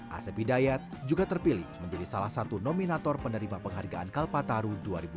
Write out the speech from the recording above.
asep hidayat juga terpilih menjadi salah satu nominator penerima penghargaan kalpataru dua ribu dua puluh